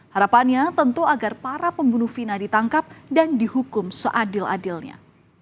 harapannya tentu agar para pembunuh fina ditangkap dan dihukum seadil adilnya